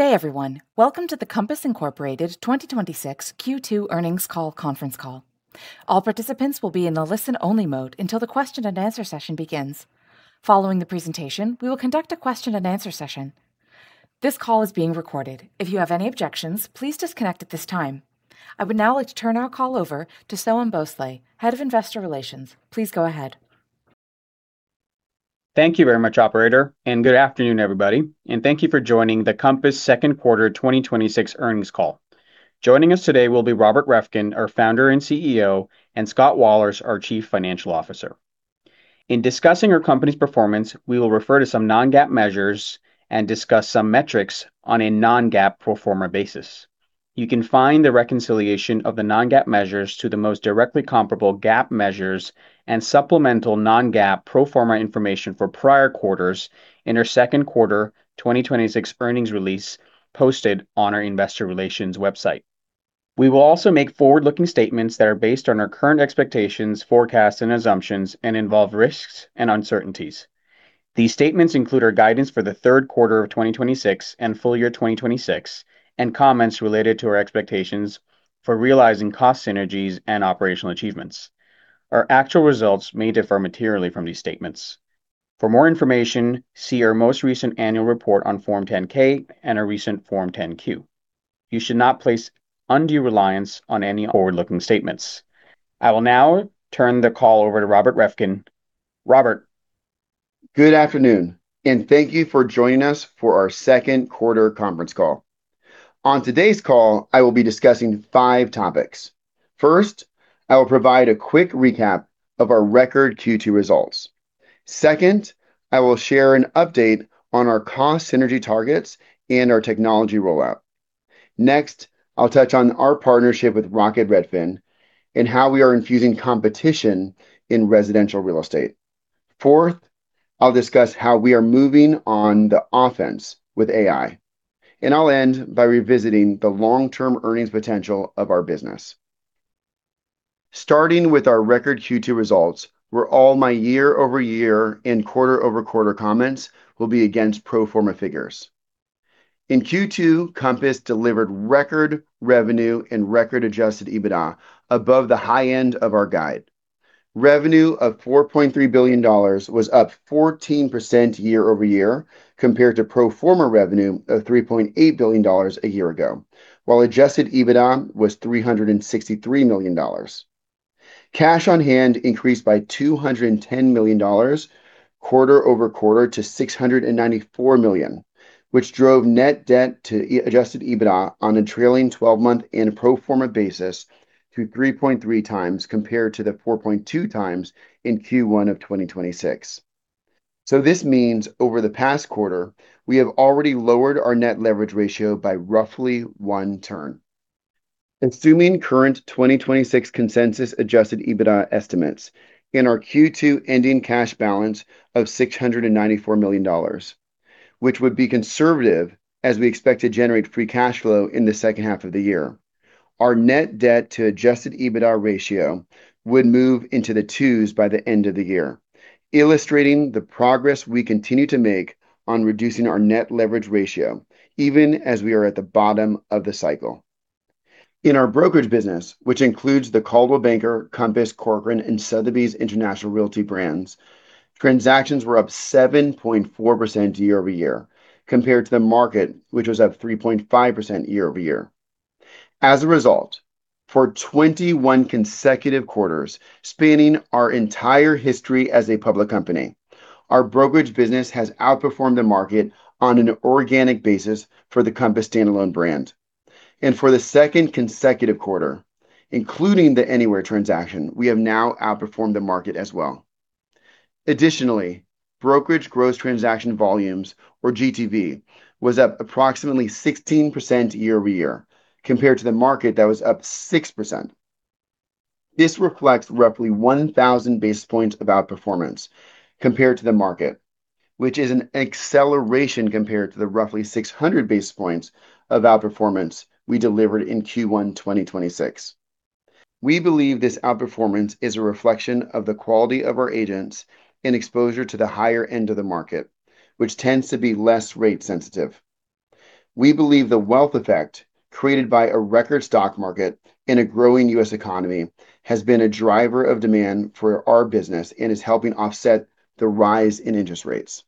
Good day, everyone. Welcome to the Compass, Inc. 2026 Q2 earnings call conference call. All participants will be in the listen-only mode until the question and answer session begins. Following the presentation, we will conduct a question and answer session. This call is being recorded. If you have any objections, please disconnect at this time. I would now like to turn our call over to Soham Bhonsle, Head of Investor Relations. Please go ahead. Thank you very much, operator. Good afternoon, everybody, and thank you for joining the Compass second quarter 2026 earnings call. Joining us today will be Robert Reffkin, our founder and CEO, and Scott Wahlers, our Chief Financial Officer. In discussing our company's performance, we will refer to some non-GAAP measures and discuss some metrics on a non-GAAP pro forma basis. You can find the reconciliation of the non-GAAP measures to the most directly comparable GAAP measures and supplemental non-GAAP pro forma information for prior quarters in our second quarter 2026 earnings release posted on our investor relations website. We will also make forward-looking statements that are based on our current expectations, forecasts, and assumptions involve risks and uncertainties. These statements include our guidance for the third quarter of 2026 and full year 2026, and comments related to our expectations for realizing cost synergies and operational achievements. Our actual results may differ materially from these statements. For more information, see our most recent annual report on Form 10-K and our recent Form 10-Q. You should not place undue reliance on any forward-looking statements. I will now turn the call over to Robert Reffkin. Robert? Good afternoon, and thank you for joining us for our second quarter conference call. On today's call, I will be discussing five topics. First, I will provide a quick recap of our record Q2 results. Second, I will share an update on our cost synergy targets and our technology rollout. Next, I'll touch on our partnership with Rocket Redfin and how we are infusing competition in residential real estate. Fourth, I'll discuss how we are moving on the offense with AI. I'll end by revisiting the long-term earnings potential of our business. Starting with our record Q2 results, where all my year-over-year and quarter-over-quarter comments will be against pro forma figures. In Q2, Compass delivered record revenue and record adjusted EBITDA above the high end of our guide. Revenue of $4.3 billion was up 14% year-over-year compared to pro forma revenue of $3.8 billion a year ago, while adjusted EBITDA was $363 million. Cash on hand increased by $210 million quarter-over-quarter to $694 million, which drove net debt to adjusted EBITDA on a trailing 12-month and pro forma basis to 3.3 times compared to the 4.2 times in Q1 of 2026. This means over the past quarter, we have already lowered our net leverage ratio by roughly one turn. Assuming current 2026 consensus adjusted EBITDA estimates in our Q2 ending cash balance of $694 million, which would be conservative as we expect to generate free cash flow in the second half of the year. Our net debt to adjusted EBITDA ratio would move into the twos by the end of the year, illustrating the progress we continue to make on reducing our net leverage ratio, even as we are at the bottom of the cycle. In our brokerage business, which includes the Coldwell Banker, Compass, Corcoran, and Sotheby's International Realty brands, transactions were up 7.4% year-over-year compared to the market, which was up 3.5% year-over-year. As a result, for 21 consecutive quarters spanning our entire history as a public company, our brokerage business has outperformed the market on an organic basis for the Compass standalone brand. For the second consecutive quarter, including the Anywhere transaction, we have now outperformed the market as well. Additionally, brokerage gross transaction volumes, or GTV, was up approximately 16% year-over-year compared to the market that was up 6%. This reflects roughly 1,000 basis points of outperformance compared to the market, which is an acceleration compared to the roughly 600 basis points of outperformance we delivered in Q1 2026. We believe this outperformance is a reflection of the quality of our agents and exposure to the higher end of the market, which tends to be less rate sensitive. We believe the wealth effect created by a record stock market in a growing U.S. economy has been a driver of demand for our business and is helping offset the rise in interest rates.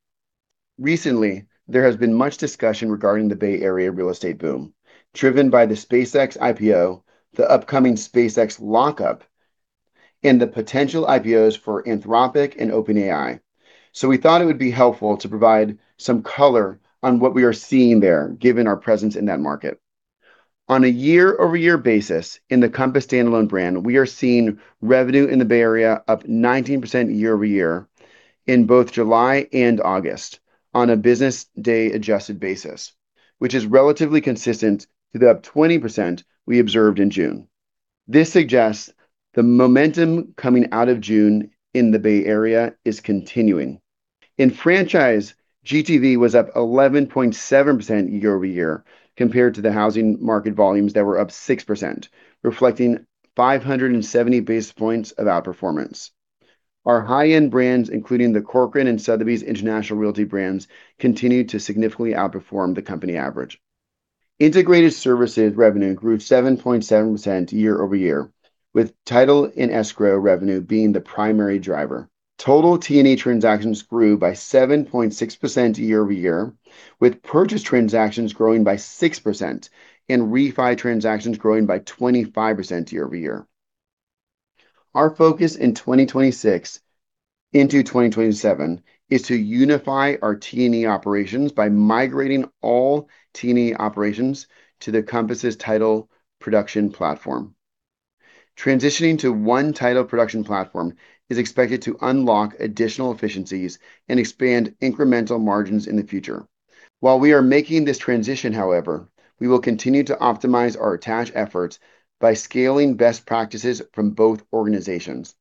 Recently, there has been much discussion regarding the Bay Area real estate boom driven by the SpaceX IPO, the upcoming SpaceX lockup, and the potential IPOs for Anthropic and OpenAI. We thought it would be helpful to provide some color on what we are seeing there, given our presence in that market. On a year-over-year basis in the Compass standalone brand, we are seeing revenue in the Bay Area up 19% year-over-year in both July and August on a business day adjusted basis, which is relatively consistent to the up 20% we observed in June. This suggests the momentum coming out of June in the Bay Area is continuing. In franchise, GTV was up 11.7% year-over-year compared to the housing market volumes that were up 6%, reflecting 570 basis points of outperformance. Our high-end brands, including the Corcoran and Sotheby's International Realty brands, continue to significantly outperform the company average. Integrated Services revenue grew 7.7% year-over-year, with title and escrow revenue being the primary driver. Total T&E transactions grew by 7.6% year-over-year, with purchase transactions growing by 6% and refi transactions growing by 25% year-over-year. Our focus in 2026 into 2027 is to unify our T&E operations by migrating all T&E operations to the Compass' title production platform. Transitioning to one title production platform is expected to unlock additional efficiencies and expand incremental margins in the future. While we are making this transition, however, we will continue to optimize our attach efforts by scaling best practices from both organizations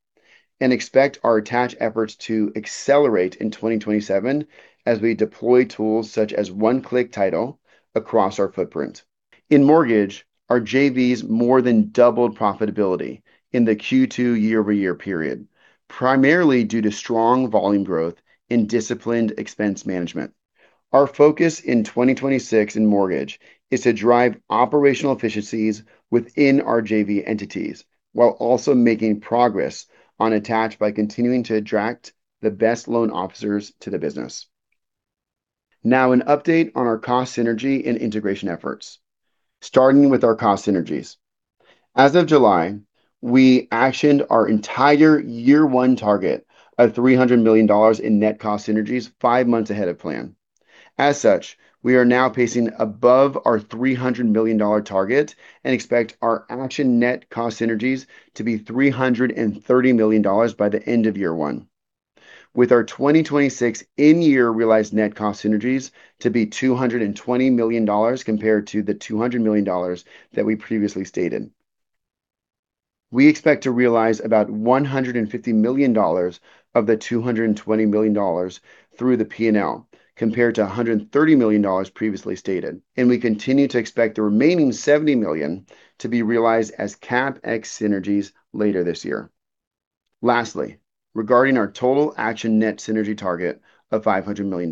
and expect our attach efforts to accelerate in 2027 as we deploy tools such as One Click Title across our footprint. In mortgage, our JVs more than doubled profitability in the Q2 year-over-year period, primarily due to strong volume growth and disciplined expense management. Our focus in 2026 in mortgage is to drive operational efficiencies within our JV entities, while also making progress on attach by continuing to attract the best loan officers to the business. Now, an update on our cost synergy and integration efforts. Starting with our cost synergies. As of July, we actioned our entire year one target of $300 million in net cost synergies five months ahead of plan. As such, we are now pacing above our $300 million target and expect our action net cost synergies to be $330 million by the end of year one. With our 2026 in-year realized net cost synergies to be $220 million compared to the $200 million that we previously stated. We expect to realize about $150 million of the $220 million through the P&L, compared to $130 million previously stated, and we continue to expect the remaining $70 million to be realized as CapEx synergies later this year. Lastly, regarding our total action net synergy target of $500 million.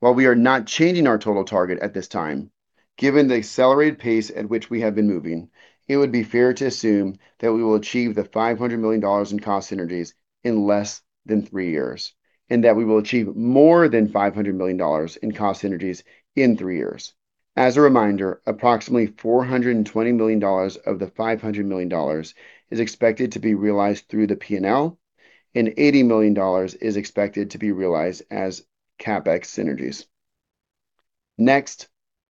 While we are not changing our total target at this time, given the accelerated pace at which we have been moving, it would be fair to assume that we will achieve the $500 million in cost synergies in less than three years, and that we will achieve more than $500 million in cost synergies in three years. As a reminder, approximately $420 million of the $500 million is expected to be realized through the P&L, and $80 million is expected to be realized as CapEx synergies. Next,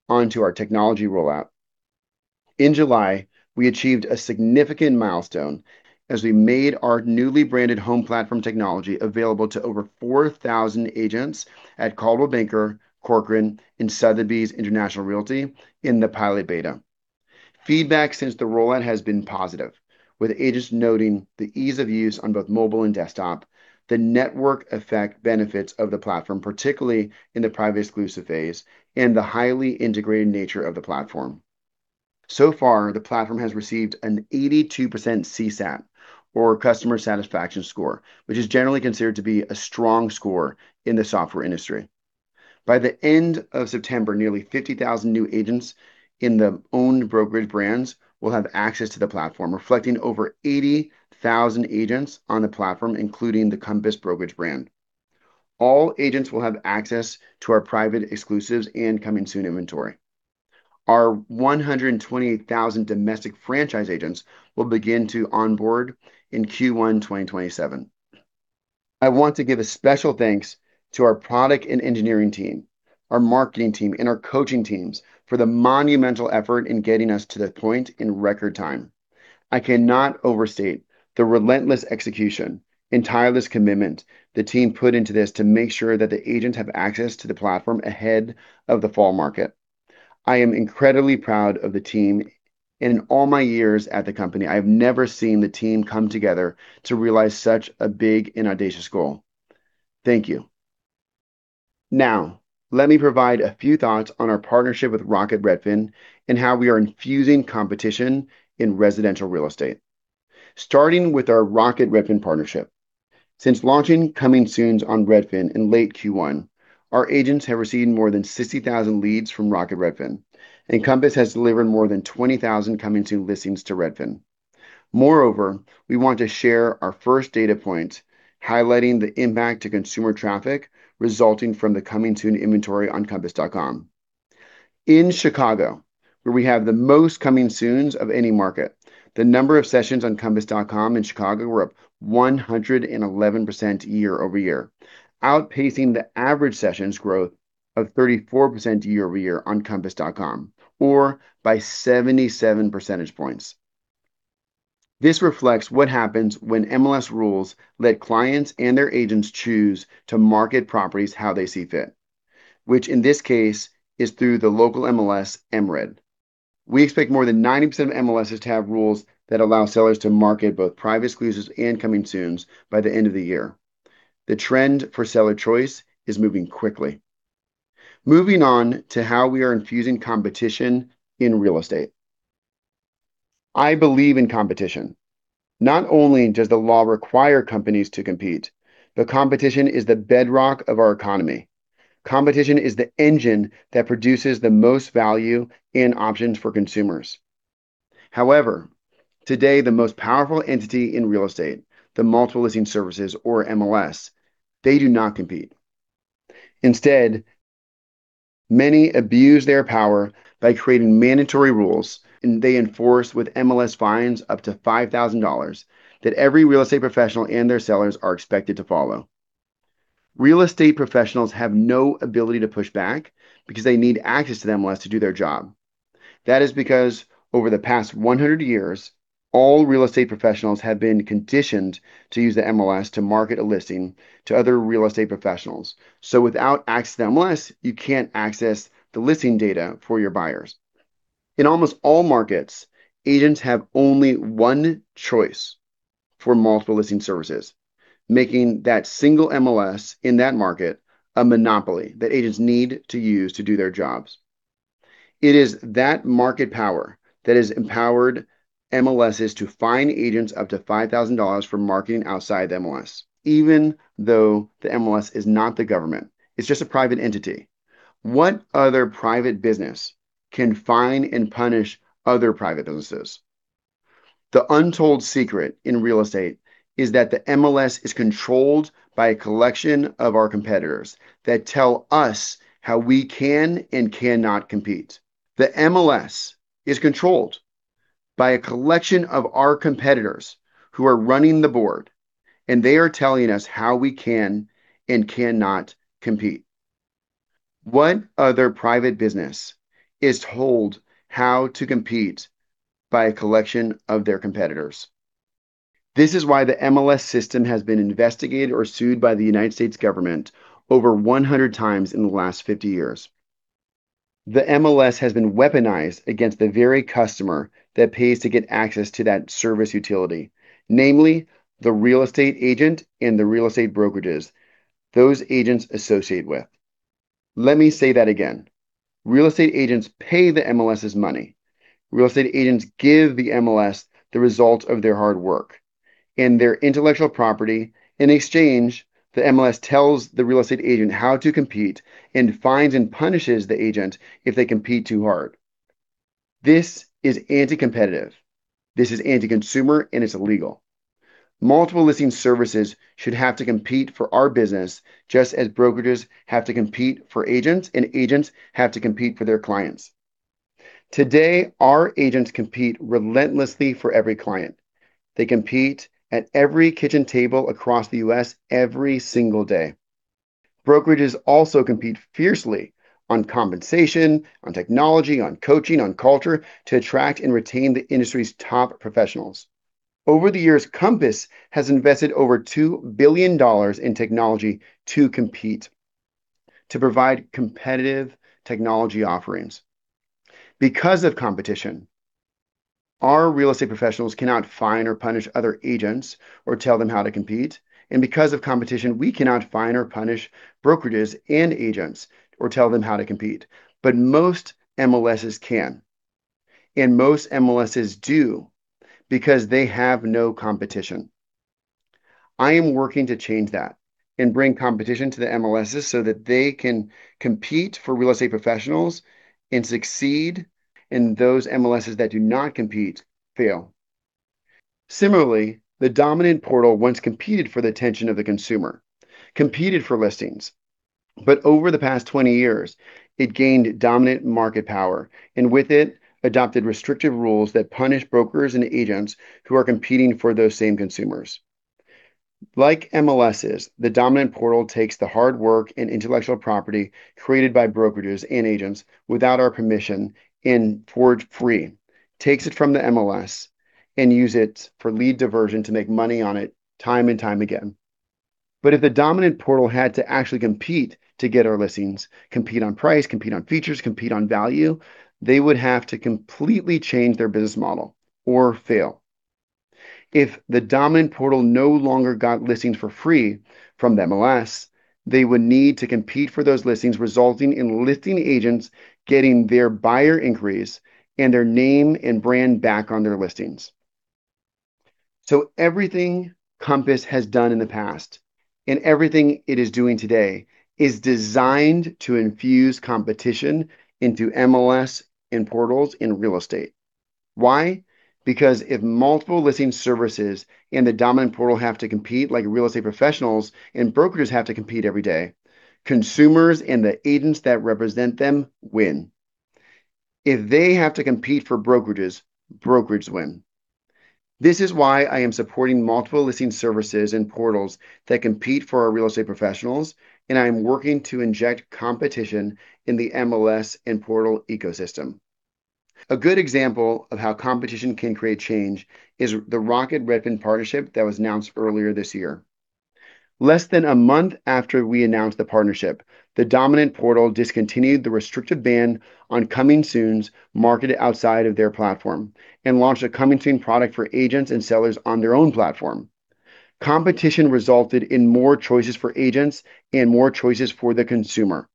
onto our technology rollout. In July, we achieved a significant milestone as we made our newly branded Home Platform technology available to over 4,000 agents at Coldwell Banker, Corcoran, and Sotheby's International Realty in the pilot beta. Feedback since the rollout has been positive, with agents noting the ease of use on both mobile and desktop, the network effect benefits of the platform, particularly in the private exclusive phase, and the highly integrated nature of the platform. So far, the platform has received an 82% CSAT, or customer satisfaction score, which is generally considered to be a strong score in the software industry. By the end of September, nearly 50,000 new agents in the owned brokerage brands will have access to the platform, reflecting over 80,000 agents on the platform, including the Compass brokerage brand. All agents will have access to our Private Exclusives and Coming Soon inventory. Our 128,000 domestic franchise agents will begin to onboard in Q1 2027. I want to give a special thanks to our product and engineering team, our marketing team, and our coaching teams for the monumental effort in getting us to the point in record time. I cannot overstate the relentless execution and tireless commitment the team put into this to make sure that the agents have access to the platform ahead of the fall market. I am incredibly proud of the team. In all my years at the company, I have never seen the team come together to realize such a big and audacious goal. Thank you. Let me provide a few thoughts on our partnership with Rocket Redfin and how we are infusing competition in residential real estate. Starting with our Rocket Redfin partnership. Since launching Coming Soon on Redfin in late Q1, our agents have received more than 60,000 leads from Rocket Redfin, and Compass has delivered more than 20,000 Coming Soon listings to Redfin. Moreover, we want to share our first data point highlighting the impact to consumer traffic resulting from the Coming Soon inventory on compass.com. In Chicago, where we have the most Coming Soons of any market, the number of sessions on compass.com in Chicago were up 111% year-over-year, outpacing the average sessions growth of 34% year-over-year on compass.com, or by 77 percentage points. This reflects what happens when MLS rules let clients and their agents choose to market properties how they see fit, which in this case is through the local MLS, MRED. We expect more than 90% of MLSs to have rules that allow sellers to market both Private Exclusives and Coming Soons by the end of the year. The trend for seller choice is moving quickly. How we are infusing competition in real estate. I believe in competition. Not only does the law require companies to compete, but competition is the bedrock of our economy. Competition is the engine that produces the most value and options for consumers. However, today the most powerful entity in real estate, the Multiple Listing Services or MLS, they do not compete. Instead, many abuse their power by creating mandatory rules and they enforce with MLS fines up to $5,000 that every real estate professional and their sellers are expected to follow. Real estate professionals have no ability to push back because they need access to MLS to do their job. That is because over the past 100 years, all real estate professionals have been conditioned to use the MLS to market a listing to other real estate professionals. Without access to MLS, you can't access the listing data for your buyers. In almost all markets, agents have only one choice for multiple listing services, making that single MLS in that market a monopoly that agents need to use to do their jobs. It is that market power that has empowered MLSs to fine agents up to $5,000 for marketing outside the MLS. Even though the MLS is not the government, it's just a private entity. What other private business can fine and punish other private businesses? The untold secret in real estate is that the MLS is controlled by a collection of our competitors that tell us how we can and cannot compete. The MLS is controlled by a collection of our competitors who are running the board. They are telling us how we can and cannot compete. What other private business is told how to compete by a collection of their competitors? This is why the MLS system has been investigated or sued by the U.S. government over 100 times in the last 50 years. The MLS has been weaponized against the very customer that pays to get access to that service utility, namely the real estate agent and the real estate brokerages those agents associate with. Let me say that again. Real estate agents pay the MLSs money. Real estate agents give the MLS the result of their hard work and their intellectual property. In exchange, the MLS tells the real estate agent how to compete and fines and punishes the agent if they compete too hard. This is anti-competitive. This is anti-consumer. It's illegal. Multiple listing services should have to compete for our business, just as brokerages have to compete for agents and agents have to compete for their clients. Today, our agents compete relentlessly for every client. They compete at every kitchen table across the U.S. every single day. Brokerages also compete fiercely on compensation, on technology, on coaching, on culture to attract and retain the industry's top professionals. Over the years, Compass has invested over $2 billion in technology to compete, to provide competitive technology offerings. Because of competition, our real estate professionals cannot fine or punish other agents or tell them how to compete. Because of competition, we cannot fine or punish brokerages and agents or tell them how to compete. Most MLSs can, and most MLSs do because they have no competition. I am working to change that and bring competition to the MLSs so that they can compete for real estate professionals and succeed. Those MLSs that do not compete, fail. Similarly, the dominant portal once competed for the attention of the consumer, competed for listings. Over the past 20 years, it gained dominant market power and with it, adopted restrictive rules that punish brokers and agents who are competing for those same consumers. Like MLSs, the dominant portal takes the hard work and intellectual property created by brokerages and agents without our permission and for free, takes it from the MLS and use it for lead diversion to make money on it time and time again. If the dominant portal had to actually compete to get our listings, compete on price, compete on features, compete on value, they would have to completely change their business model or fail. If the dominant portal no longer got listings for free from the MLS, they would need to compete for those listings, resulting in listing agents getting their buyer increase and their name and brand back on their listings. Everything Compass has done in the past and everything it is doing today is designed to infuse competition into MLS and portals in real estate. Why? Because if multiple listing services and the dominant portal have to compete like real estate professionals and brokerages have to compete every day, consumers and the agents that represent them win. If they have to compete for brokerages win. This is why I am supporting Multiple Listing Services and portals that compete for our real estate professionals. I am working to inject competition in the MLS and portal ecosystem. A good example of how competition can create change is the Rocket Redfin partnership that was announced earlier this year. Less than a month after we announced the partnership, the dominant portal discontinued the restrictive ban on Coming Soon marketed outside of their platform and launched a Coming Soon product for agents and sellers on their own platform. Competition resulted in more choices for agents and more choices for the consumer.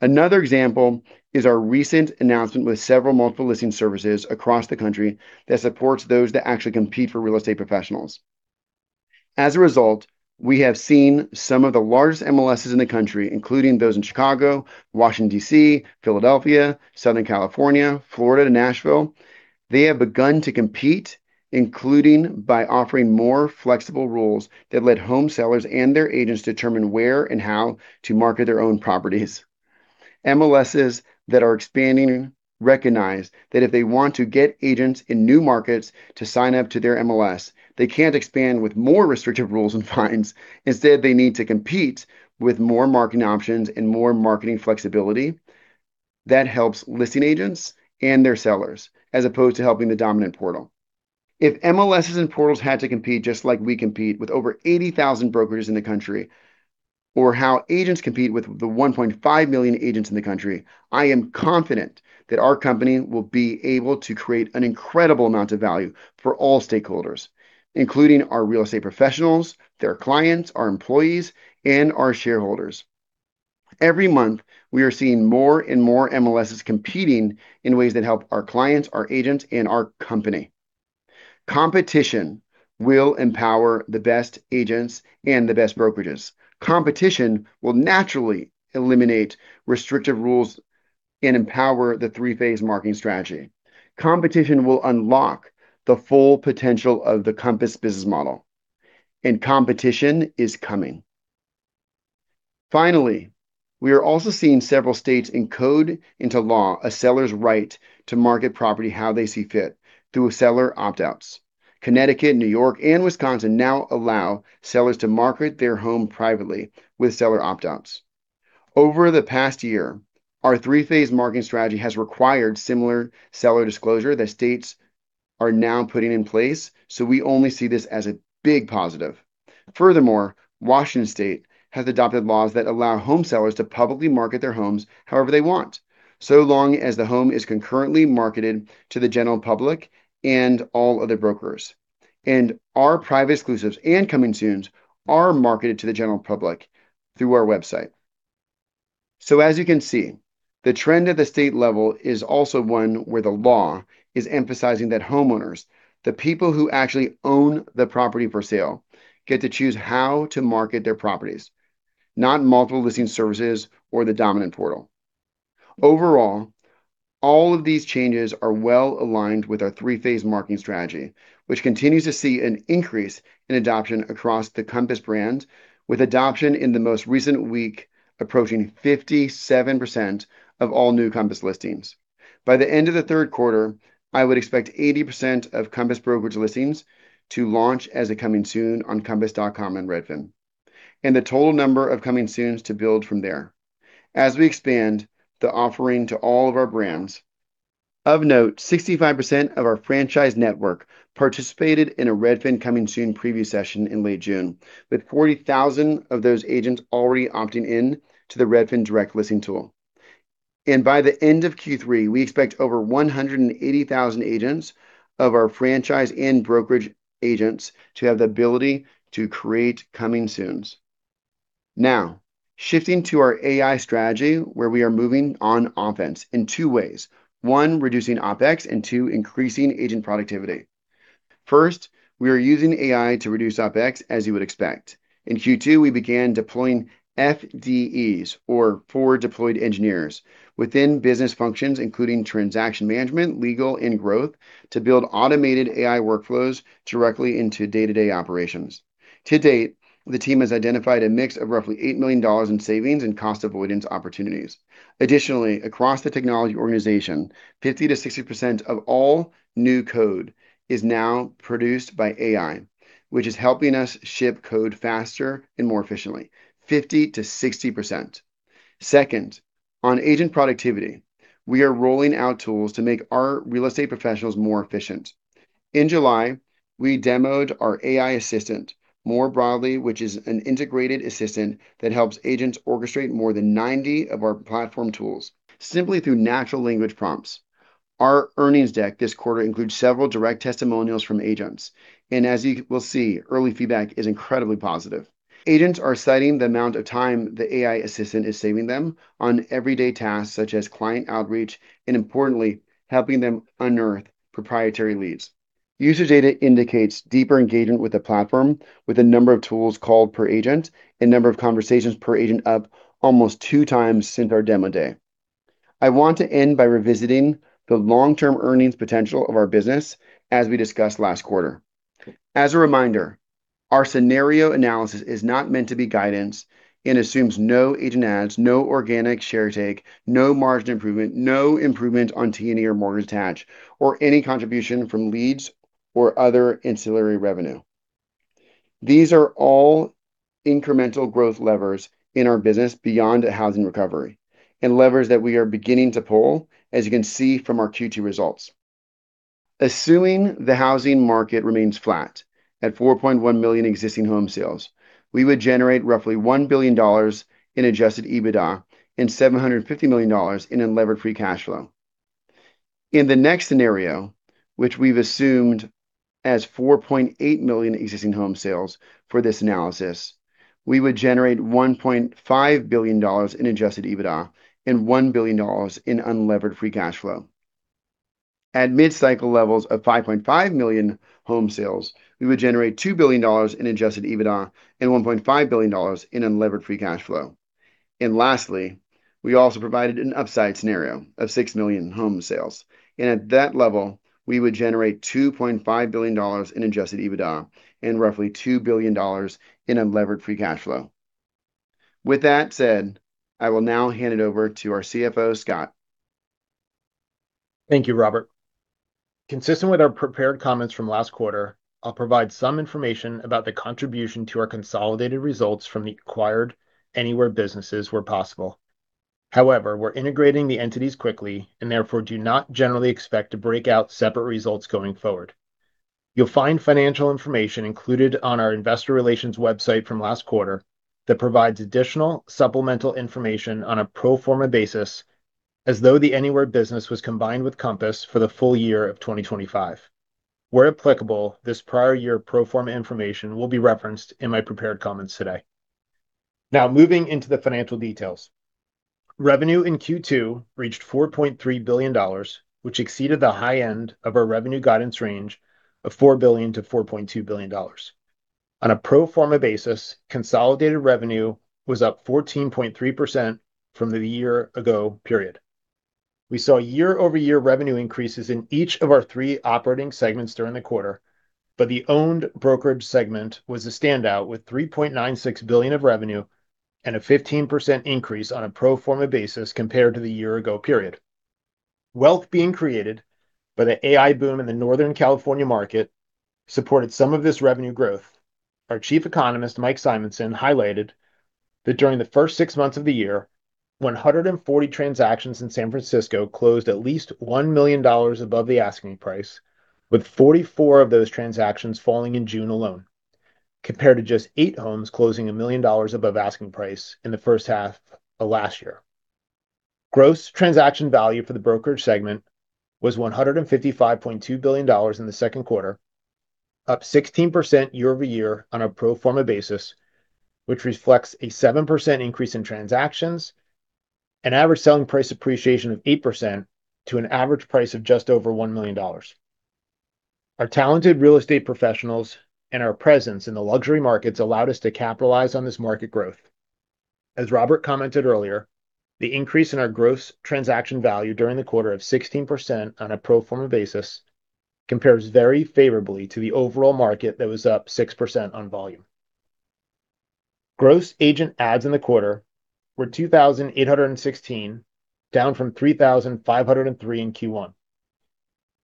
Another example is our recent announcement with several Multiple Listing Services across the country that supports those that actually compete for real estate professionals. As a result, we have seen some of the largest MLSs in the country, including those in Chicago, Washington, D.C., Philadelphia, Southern California, Florida, and Nashville. They have begun to compete, including by offering more flexible rules that let home sellers and their agents determine where and how to market their own properties. MLSs that are expanding recognize that if they want to get agents in new markets to sign up to their MLS, they can't expand with more restrictive rules and fines. Instead, they need to compete with more marketing options and more marketing flexibility that helps listing agents and their sellers, as opposed to helping the dominant portal. If MLSs and portals had to compete just like we compete with over 80,000 brokerages in the country, or how agents compete with the 1.5 million agents in the country, I am confident that our company will be able to create an incredible amount of value for all stakeholders, including our real estate professionals, their clients, our employees, and our shareholders. Every month, we are seeing more and more MLSs competing in ways that help our clients, our agents, and our company. Competition will empower the best agents and the best brokerages. Competition will naturally eliminate restrictive rules and empower the three-phase marketing strategy. Competition will unlock the full potential of the Compass business model, and competition is coming. Finally, we are also seeing several states encode into law a seller's right to market property how they see fit through seller opt-outs. Connecticut, New York, and Wisconsin now allow sellers to market their home privately with seller opt-outs. Over the past year, our three-phase marketing strategy has required similar seller disclosure that states are now putting in place, so we only see this as a big positive. Furthermore, Washington state has adopted laws that allow home sellers to publicly market their homes however they want, so long as the home is concurrently marketed to the general public and all other brokers. Our Private Exclusives and Coming Soon are marketed to the general public through our website. As you can see, the trend at the state level is also one where the law is emphasizing that homeowners, the people who actually own the property for sale, get to choose how to market their properties, not Multiple Listing Services or the dominant portal. Overall, all of these changes are well-aligned with our three-phase marketing strategy, which continues to see an increase in adoption across the Compass brand, with adoption in the most recent week approaching 57% of all new Compass listings. By the end of the third quarter, I would expect 80% of Compass brokerage listings to launch as a coming soon on compass.com and Redfin, and the total number of coming soons to build from there as we expand the offering to all of our brands. Of note, 65% of our franchise network participated in a Redfin Coming Soon preview session in late June, with 40,000 of those agents already opting in to the Redfin direct listing tool. By the end of Q3, we expect over 180,000 agents of our franchise and brokerage agents to have the ability to create coming soons. Now, shifting to our AI strategy, where we are moving on offense in two ways. One, reducing OpEx, and two, increasing agent productivity. First, we are using AI to reduce OpEx, as you would expect. In Q2, we began deploying FDEs, or Forward Deployed Engineers, within business functions, including transaction management, legal, and growth, to build automated AI workflows directly into day-to-day operations. To date, the team has identified a mix of roughly $8 million in savings and cost avoidance opportunities. Additionally, across the technology organization, 50% to 60% of all new code is now produced by AI, which is helping us ship code faster and more efficiently. 50% to 60%. Second, on agent productivity, we are rolling out tools to make our real estate professionals more efficient. In July, we demoed our AI assistant more broadly, which is an integrated assistant that helps agents orchestrate more than 90 of our platform tools simply through natural language prompts. Our earnings deck this quarter includes several direct testimonials from agents, as you will see, early feedback is incredibly positive. Agents are citing the amount of time the AI assistant is saving them on everyday tasks, such as client outreach, and importantly, helping them unearth proprietary leads. User data indicates deeper engagement with the platform, with the number of tools called per agent and number of conversations per agent up almost two times since our demo day. I want to end by revisiting the long-term earnings potential of our business, as we discussed last quarter. As a reminder, our scenario analysis is not meant to be guidance and assumes no agent ads, no organic share take, no margin improvement, no improvement on TNR mortgage attach, or any contribution from leads or other ancillary revenue. These are all incremental growth levers in our business beyond a housing recovery, levers that we are beginning to pull, as you can see from our Q2 results. Assuming the housing market remains flat at 4.1 million existing home sales, we would generate roughly $1 billion in adjusted EBITDA and $750 million in unlevered free cash flow. In the next scenario, which we've assumed as 4.8 million existing home sales for this analysis, we would generate $1.5 billion in adjusted EBITDA and $1 billion in unlevered free cash flow. At mid-cycle levels of 5.5 million home sales, we would generate $2 billion in adjusted EBITDA and $1.5 billion in unlevered free cash flow. Lastly, we also provided an upside scenario of 6 million home sales, and at that level, we would generate $2.5 billion in adjusted EBITDA and roughly $2 billion in unlevered free cash flow. With that said, I will now hand it over to our CFO, Scott. Thank you, Robert. Consistent with our prepared comments from last quarter, I'll provide some information about the contribution to our consolidated results from the acquired Anywhere businesses where possible. However, we're integrating the entities quickly and therefore do not generally expect to break out separate results going forward. You'll find financial information included on our investor relations website from last quarter that provides additional supplemental information on a pro forma basis as though the Anywhere business was combined with Compass for the full year of 2025. Where applicable, this prior year pro forma information will be referenced in my prepared comments today. Moving into the financial details. Revenue in Q2 reached $4.3 billion, which exceeded the high end of our revenue guidance range of $4 billion-$4.2 billion. On a pro forma basis, consolidated revenue was up 14.3% from the year-ago period. We saw year-over-year revenue increases in each of our three operating segments during the quarter, but the owned brokerage segment was the standout with $3.96 billion of revenue and a 15% increase on a pro forma basis compared to the year-ago period. Wealth being created by the AI boom in the Northern California market supported some of this revenue growth. Our Chief Economist, Mike Simonsen, highlighted that during the first six months of the year, 140 transactions in San Francisco closed at least $1 million above the asking price, with 44 of those transactions falling in June alone, compared to just eight homes closing $1 million above asking price in the first half of last year. Gross transaction value for the brokerage segment was $155.2 billion in the second quarter, up 16% year-over-year on a pro forma basis, which reflects a 7% increase in transactions and average selling price appreciation of 8% to an average price of just over $1 million. Our talented real estate professionals and our presence in the luxury markets allowed us to capitalize on this market growth. As Robert commented earlier, the increase in our gross transaction value during the quarter of 16% on a pro forma basis compares very favorably to the overall market that was up 6% on volume. Gross agent adds in the quarter were 2,816, down from 3,503 in Q1.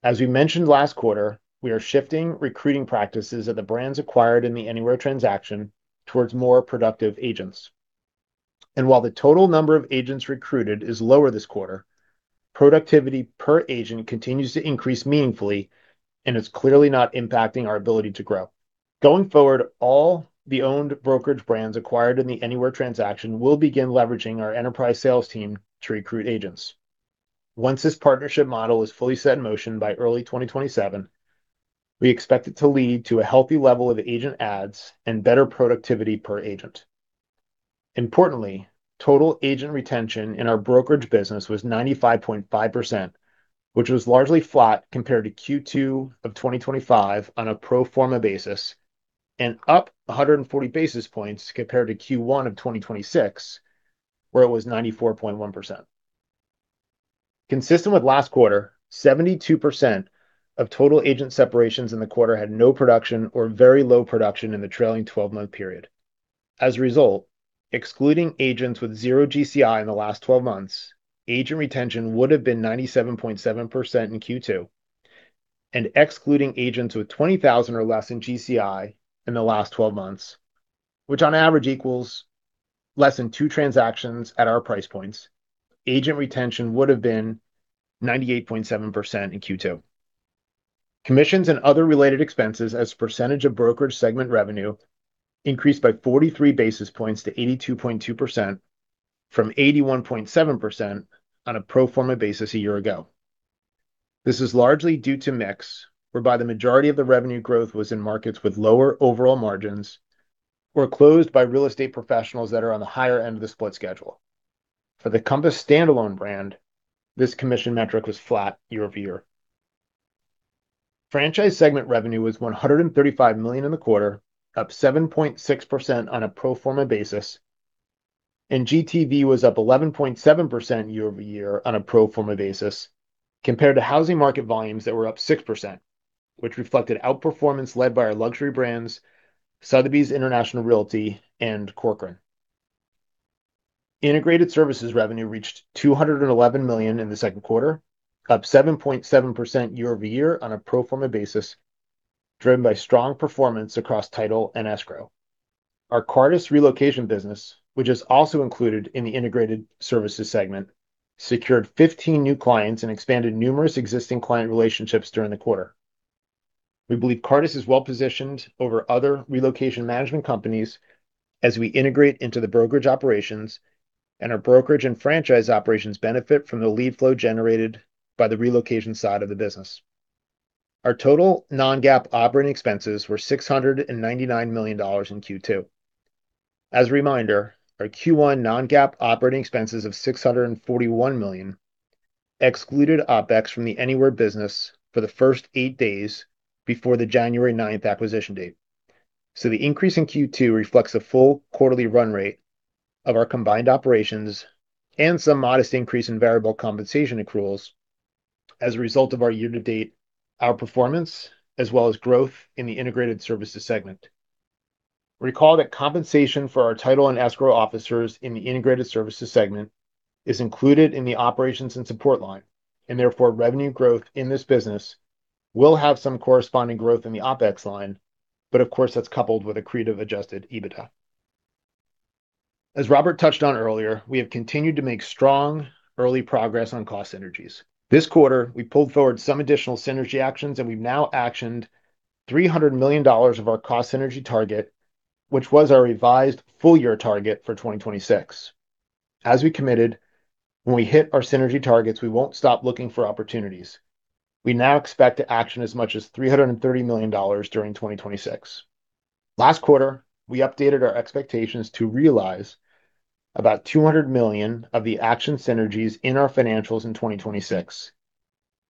As we mentioned last quarter, we are shifting recruiting practices of the brands acquired in the Anywhere transaction towards more productive agents, and while the total number of agents recruited is lower this quarter, productivity per agent continues to increase meaningfully, and it's clearly not impacting our ability to grow. Going forward, all the owned brokerage brands acquired in the Anywhere transaction will begin leveraging our enterprise sales team to recruit agents. Once this partnership model is fully set in motion by early 2027, we expect it to lead to a healthy level of agent adds and better productivity per agent. Importantly, total agent retention in our brokerage business was 95.5%, which was largely flat compared to Q2 of 2025 on a pro forma basis and up 140 basis points compared to Q1 of 2026, where it was 94.1%. Consistent with last quarter, 72% of total agent separations in the quarter had no production or very low production in the trailing 12-month period. As a result, excluding agents with zero GCI in the last 12 months, agent retention would've been 97.7% in Q2, and excluding agents with 20,000 or less in GCI in the last 12 months, which on average equals less than two transactions at our price points, agent retention would've been 98.7% in Q2. Commissions and other related expenses as a percentage of brokerage segment revenue increased by 43 basis points to 82.2% from 81.7% on a pro forma basis a year ago. This is largely due to mix, whereby the majority of the revenue growth was in markets with lower overall margins or closed by real estate professionals that are on the higher end of the split schedule. For the Compass standalone brand, this commission metric was flat year-over-year. Franchise segment revenue was $135 million in the quarter, up 7.6% on a pro forma basis, and GTV was up 11.7% year-over-year on a pro forma basis compared to housing market volumes that were up 6%, which reflected outperformance led by our luxury brands, Sotheby's International Realty and Corcoran. Integrated services revenue reached $211 million in the second quarter, up 7.7% year-over-year on a pro forma basis, driven by strong performance across title and escrow. Our Cartus relocation business, which is also included in the integrated services segment, secured 15 new clients and expanded numerous existing client relationships during the quarter. We believe Cartus is well-positioned over other relocation management companies as we integrate into the brokerage operations, and our brokerage and franchise operations benefit from the lead flow generated by the relocation side of the business. Our total non-GAAP operating expenses were $699 million in Q2. As a reminder, our Q1 non-GAAP operating expenses of $641 million excluded OpEx from the Anywhere business for the first eight days before the January 9th acquisition date. The increase in Q2 reflects a full quarterly run rate of our combined operations and some modest increase in variable compensation accruals as a result of our year-to-date outperformance, as well as growth in the integrated services segment. Recall that compensation for our title and escrow officers in the integrated services segment is included in the operations and support line, therefore, revenue growth in this business will have some corresponding growth in the OpEx line. Of course, that's coupled with accretive adjusted EBITDA. As Robert touched on earlier, we have continued to make strong early progress on cost synergies. This quarter, we pulled forward some additional synergy actions, we've now actioned $300 million of our cost synergy target, which was our revised full-year target for 2026. As we committed, when we hit our synergy targets, we won't stop looking for opportunities. We now expect to action as much as $330 million during 2026. Last quarter, we updated our expectations to realize about $200 million of the action synergies in our financials in 2026.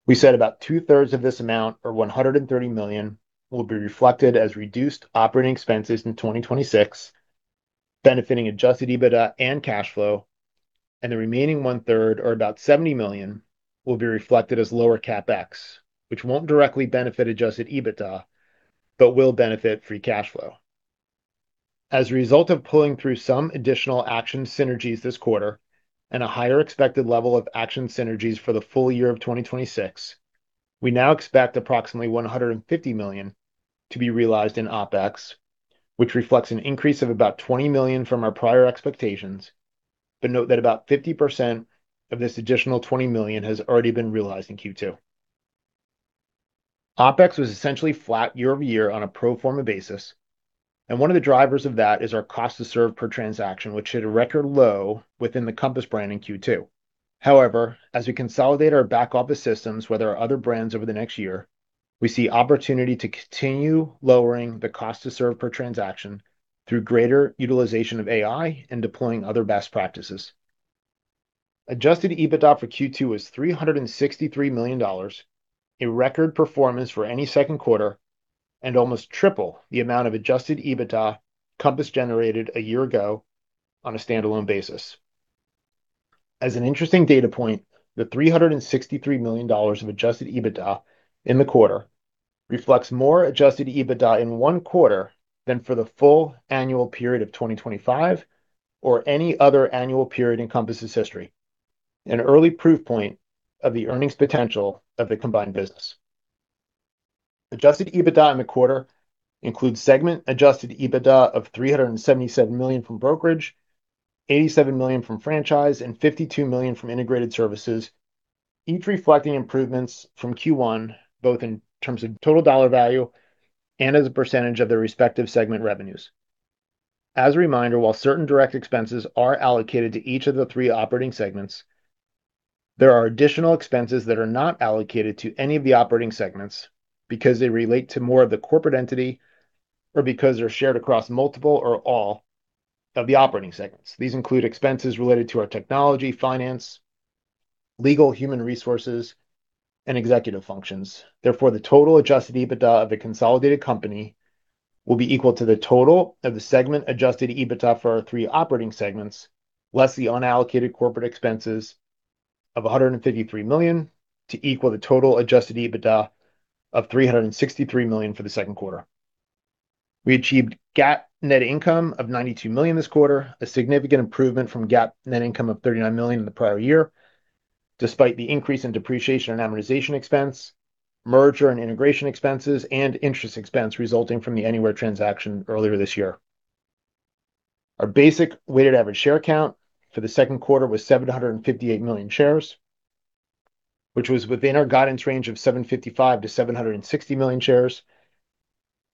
We said about two-thirds of this amount, or $130 million, will be reflected as reduced operating expenses in 2026, benefiting adjusted EBITDA and cash flow, the remaining one-third, or about $70 million, will be reflected as lower CapEx, which won't directly benefit adjusted EBITDA but will benefit free cash flow. As a result of pulling through some additional action synergies this quarter and a higher expected level of action synergies for the full year of 2026, we now expect approximately $150 million to be realized in OpEx, which reflects an increase of about $20 million from our prior expectations. Note that about 50% of this additional $20 million has already been realized in Q2. OpEx was essentially flat year-over-year on a pro forma basis, one of the drivers of that is our cost to serve per transaction, which hit a record low within the Compass brand in Q2. However, as we consolidate our back office systems with our other brands over the next year, we see opportunity to continue lowering the cost to serve per transaction through greater utilization of AI and deploying other best practices. Adjusted EBITDA for Q2 was $363 million, a record performance for any second quarter, almost triple the amount of adjusted EBITDA Compass generated a year ago on a standalone basis. As an interesting data point, the $363 million of adjusted EBITDA in the quarter reflects more adjusted EBITDA in one quarter than for the full annual period of 2025 or any other annual period in Compass' history, an early proof point of the earnings potential of the combined business. Adjusted EBITDA in the quarter includes segment adjusted EBITDA of $377 million from brokerage, $87 million from franchise, $52 million from integrated services, each reflecting improvements from Q1, both in terms of total dollar value and as a percentage of their respective segment revenues. As a reminder, while certain direct expenses are allocated to each of the three operating segments, there are additional expenses that are not allocated to any of the operating segments because they relate to more of the corporate entity or because they're shared across multiple or all of the operating segments. These include expenses related to our technology, finance, legal, human resources, and executive functions. Therefore, the total adjusted EBITDA of the consolidated company will be equal to the total of the segment adjusted EBITDA for our three operating segments, less the unallocated corporate expenses of $153 million to equal the total adjusted EBITDA of $363 million for the second quarter. We achieved GAAP net income of $92 million this quarter, a significant improvement from GAAP net income of $39 million in the prior year, despite the increase in depreciation and amortization expense, merger and integration expenses, and interest expense resulting from the Anywhere transaction earlier this year. Our basic weighted average share count for the second quarter was 758 million shares, which was within our guidance range of 755 million to 760 million shares.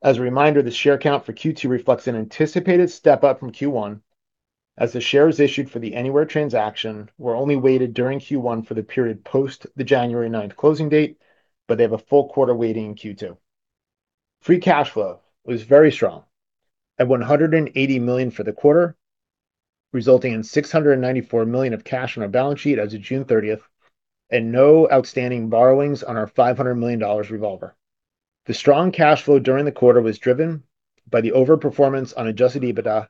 As a reminder, the share count for Q2 reflects an anticipated step-up from Q1, as the shares issued for the Anywhere transaction were only weighted during Q1 for the period post the January 9th closing date, but they have a full quarter weighting in Q2. Free cash flow was very strong at $180 million for the quarter, resulting in $694 million of cash on our balance sheet as of June 30th, and no outstanding borrowings on our $500 million revolver. The strong cash flow during the quarter was driven by the overperformance on adjusted EBITDA,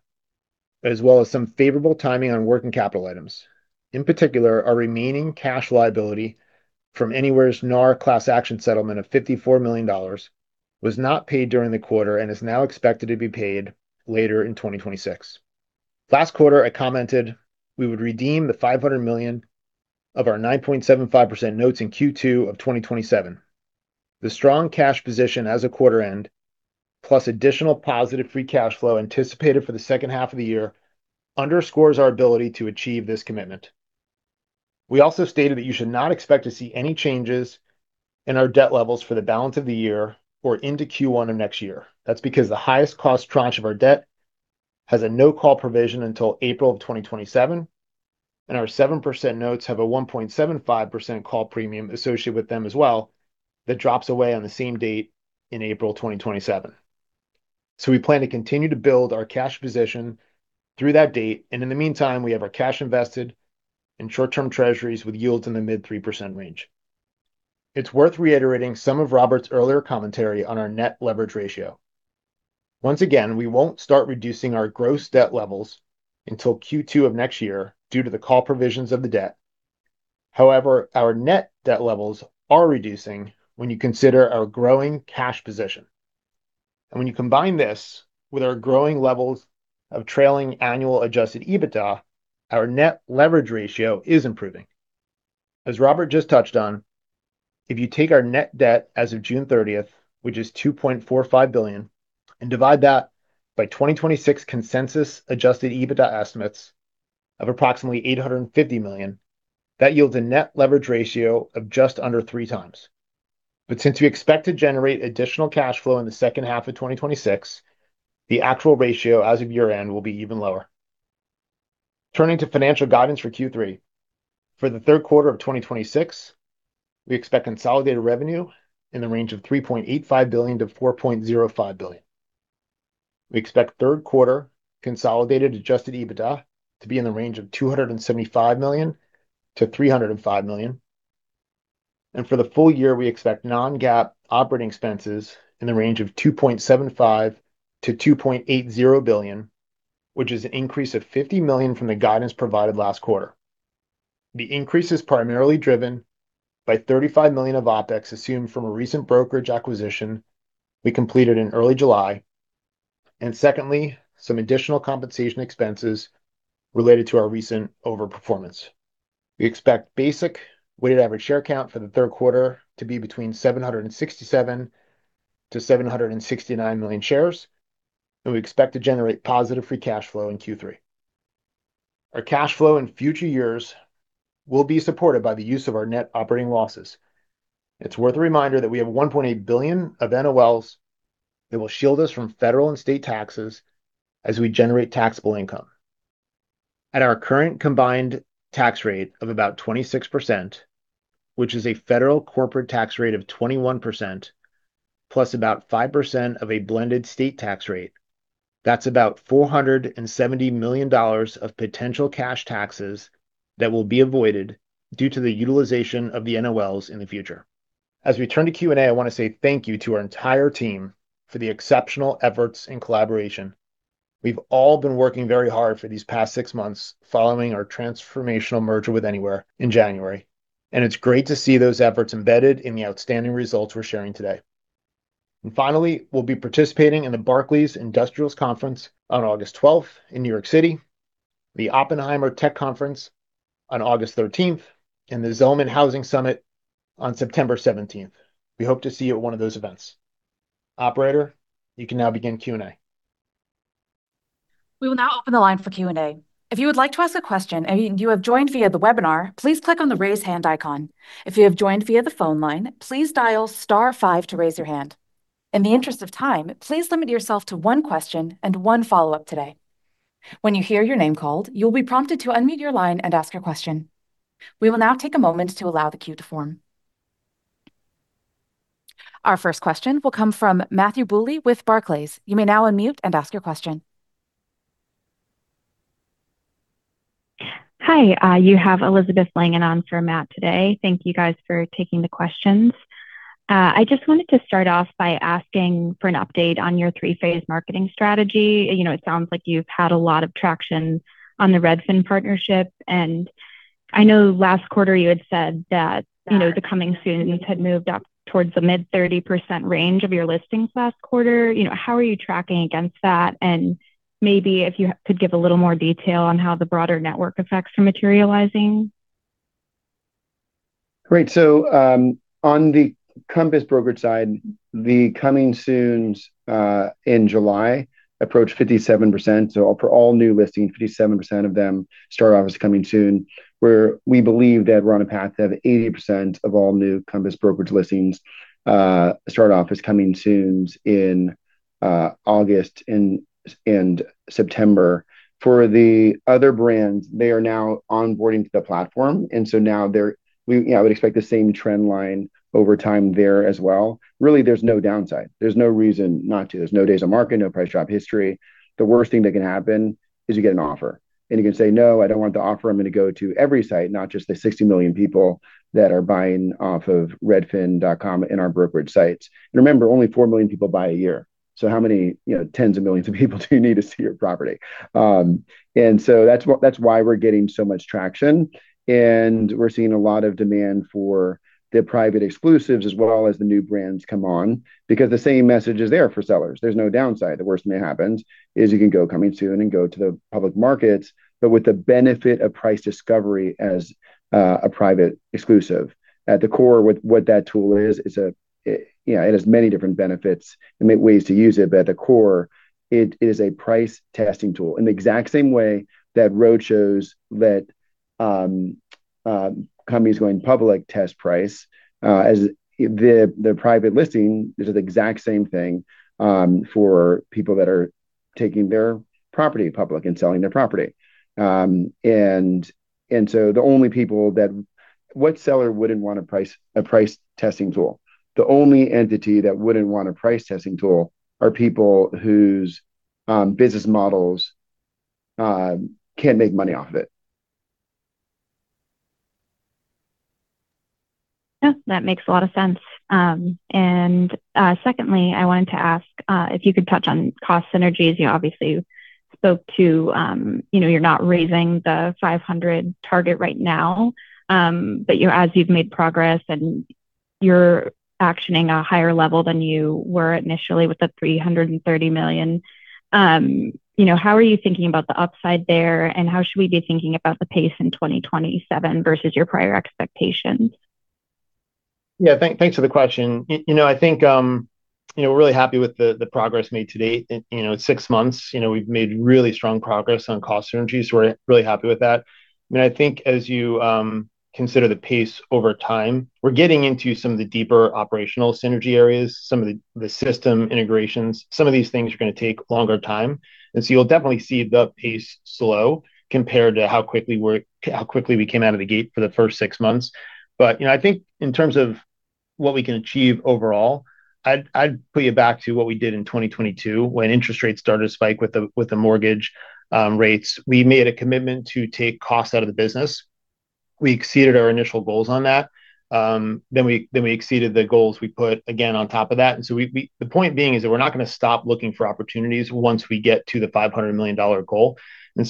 as well as some favorable timing on working capital items. In particular, our remaining cash liability from Anywhere's NAR class action settlement of $54 million was not paid during the quarter and is now expected to be paid later in 2026. Last quarter, I commented we would redeem the $500 million of our 9.75% notes in Q2 of 2027. The strong cash position as of quarter end, plus additional positive free cash flow anticipated for the second half of the year underscores our ability to achieve this commitment. We also stated that you should not expect to see any changes in our debt levels for the balance of the year or into Q1 of next year. That's because the highest cost tranche of our debt has a no-call provision until April of 2027, and our 7% notes have a 1.75% call premium associated with them as well that drops away on the same date in April 2027. We plan to continue to build our cash position through that date. In the meantime, we have our cash invested in short-term treasuries with yields in the mid 3% range. It's worth reiterating some of Robert's earlier commentary on our net leverage ratio. Once again, we won't start reducing our gross debt levels until Q2 of next year due to the call provisions of the debt. However, our net debt levels are reducing when you consider our growing cash position. When you combine this with our growing levels of trailing annual adjusted EBITDA, our net leverage ratio is improving. As Robert just touched on, if you take our net debt as of June 30th, which is $2.45 billion, and divide that by 2026 consensus adjusted EBITDA estimates of approximately $850 million, that yields a net leverage ratio of just under three times. Since we expect to generate additional cash flow in the second half of 2026, the actual ratio as of year-end will be even lower. Turning to financial guidance for Q3. For the third quarter of 2026, we expect consolidated revenue in the range of $3.85 billion-$4.05 billion. We expect third quarter consolidated adjusted EBITDA to be in the range of $275 million-$305 million. For the full year, we expect non-GAAP operating expenses in the range of $2.75 billion-$2.80 billion, which is an increase of $50 million from the guidance provided last quarter. The increase is primarily driven by $35 million of OpEx assumed from a recent brokerage acquisition we completed in early July. Secondly, some additional compensation expenses related to our recent overperformance. We expect basic weighted average share count for the third quarter to be between 767 million-769 million shares, and we expect to generate positive free cash flow in Q3. Our cash flow in future years will be supported by the use of our net operating losses. It's worth a reminder that we have $1.8 billion of NOLs that will shield us from federal and state taxes as we generate taxable income. At our current combined tax rate of about 26%, which is a federal corporate tax rate of 21% plus about 5% of a blended state tax rate, that's about $470 million of potential cash taxes that will be avoided due to the utilization of the NOLs in the future. As we turn to Q&A, I want to say thank you to our entire team for the exceptional efforts and collaboration. We've all been working very hard for these past six months following our transformational merger with Anywhere in January, and it's great to see those efforts embedded in the outstanding results we're sharing today. Finally, we'll be participating in the Barclays Industrial Select Conference on August 12th in New York City, the Oppenheimer Tech Conference on August 13th, and the Zelman Housing Summit on September 17th. We hope to see you at one of those events. Operator, you can now begin Q&A. We will now open the line for Q&A. If you would like to ask a question and you have joined via the webinar, please click on the raise hand icon. If you have joined via the phone line, please dial star five to raise your hand. In the interest of time, please limit yourself to one question and one follow-up today. When you hear your name called, you will be prompted to unmute your line and ask your question. We will now take a moment to allow the queue to form. Our first question will come from Matthew Bouley with Barclays. You may now unmute and ask your question. Hi. You have Elizabeth Langan on for Matt today. Thank you guys for taking the questions. I just wanted to start off by asking for an update on your 3-phase marketing strategy. It sounds like you've had a lot of traction on the Redfin partnership. I know last quarter you had said that the Coming Soons had moved up towards the mid-30% range of your listings last quarter. How are you tracking against that? Maybe if you could give a little more detail on how the broader network effects are materializing. Great. On the Compass brokerage side, the Coming Soons in July approached 57%. For all new listings, 57% of them start off as Coming Soon, where we believe that we're on a path to have 80% of all new Compass brokerage listings start off as Coming Soons in August and September. For the other brands, they are now onboarding to the platform. Now I would expect the same trend line over time there as well. Really, there's no downside. There's no reason not to. There's no days on market, no price drop history. The worst thing that can happen is you get an offer, and you can say, "No, I don't want the offer. I'm going to go to every site," not just the 60 million people that are buying off of redfin.com in our brokerage sites. Remember, only four million people buy a year. How many tens of millions of people do you need to see your property? That's why we're getting so much traction, and we're seeing a lot of demand for the Private Exclusives as well as the new brands come on, because the same message is there for sellers. There's no downside. The worst that happens is you can go Coming Soon and go to the public markets, but with the benefit of price discovery as a Private Exclusive. At the core, what that tool is, it has many different benefits and many ways to use it. At the core, it is a price testing tool. In the exact same way that roadshows that Companies going public test price. As the Private Exclusive listing is the exact same thing for people that are taking their property public and selling their property. What seller wouldn't want a price testing tool? The only entity that wouldn't want a price testing tool are people whose business models can't make money off of it. That makes a lot of sense. Secondly, I wanted to ask if you could touch on cost synergies. You obviously spoke to you're not raising the $500 target right now, but as you've made progress and you're actioning a higher level than you were initially with the $330 million. How are you thinking about the upside there, and how should we be thinking about the pace in 2027 versus your prior expectations? Yeah. Thanks for the question. I think we're really happy with the progress made to date. In six months, we've made really strong progress on cost synergies. We're really happy with that. I think as you consider the pace over time, we're getting into some of the deeper operational synergy areas, some of the system integrations. Some of these things are going to take longer time, you'll definitely see the pace slow compared to how quickly we came out of the gate for the first six months. I think in terms of what we can achieve overall, I'd put you back to what we did in 2022 when interest rates started to spike with the mortgage rates. We made a commitment to take costs out of the business. We exceeded our initial goals on that. We exceeded the goals we put again on top of that. The point being is that we're not going to stop looking for opportunities once we get to the $500 million goal. I